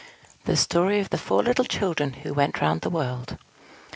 THE STORY OF THE FOUR LITTLE CHILDREN WHO WENT ROUND THE WORLD.